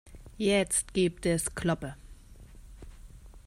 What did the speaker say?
Jetzt gibt es Kloppe.